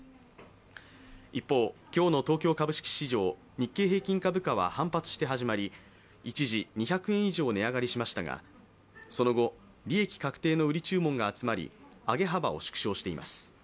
一方、今日の東京株式市場日経平均株価は反発して始まり一時２００円以上値上がりしましたが、その後、利益確定の売り注文が集まり、上げ幅を縮小しています。